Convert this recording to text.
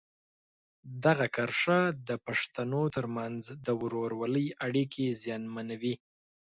دغه کرښه د پښتنو ترمنځ د ورورولۍ اړیکې زیانمنوي.